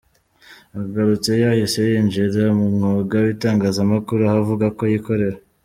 Agarutse yahise yinjira mu mwuga w’Itangazamakuru aho avuga ko yikorera.